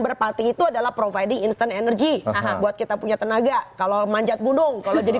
merpati itu adalah providing instant energy buat kita punya tenaga kalau manjat gunung kalau jadi